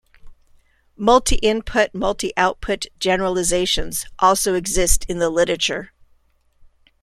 Multi-input-multi-output generalisations also exist in the literature.